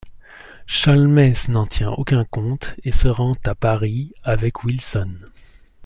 Sholmès n'en tient aucun compte et se rend à Paris avec Wilson.